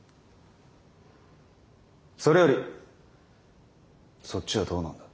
それよりそっちはどうなんだ？